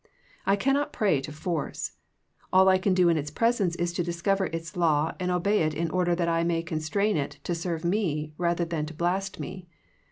I cannot pray to force. All I can do in Its presence is to discover its law and obey it in order that I may constrain it to serve me rather than to blast me.